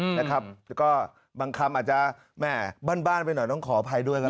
อืมนะครับแล้วก็บางคำอาจจะแม่บ้านบ้านไปหน่อยต้องขออภัยด้วยครับ